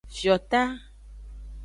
Fiota.